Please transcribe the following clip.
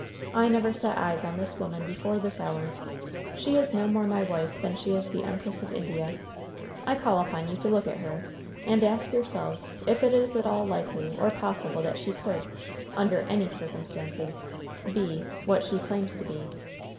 I never set eyes on this woman before this hour. She is no more my wife than she is the empress of India. I call upon you to look at her, and ask yourselves if it is at all likely or possible that she could, under any circumstances, be what she claims to be.